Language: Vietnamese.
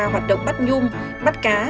hoạt động bắt nhum bắt cá